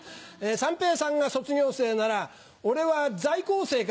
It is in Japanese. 「三平さんが卒業生なら俺は在校生か」